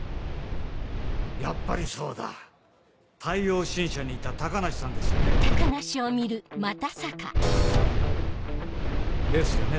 やっぱりそうだ太陽新社にいた高梨さんですよね？ですよね？